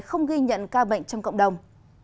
không ghi nhận ca bệnh trong cộng đồng